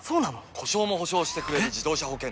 故障も補償してくれる自動車保険といえば？